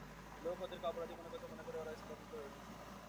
লোকে ওদেরকে অপরাধী মনে করছে মনে করেই ওরা স্পর্ধিত হয়ে উঠেছে।